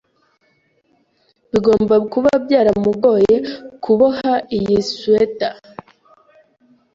Bigomba kuba byaramugoye kuboha iyi swater.